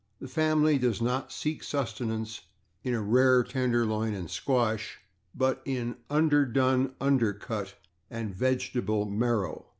The family does not seek sustenance in a /rare tenderloin/ and /squash/, but in /underdone under cut/ and /vegetable marrow